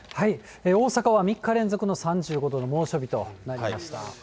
大阪は３日連続の３５度の猛暑日となりました。